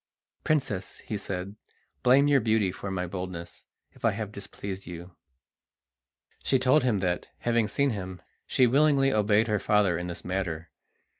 "Princess," he said, "blame your beauty for my boldness if I have displeased you." She told him that, having seen him, she willingly obeyed her father in this matter.